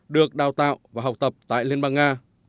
được đào tạo và học tập tại liên bang nga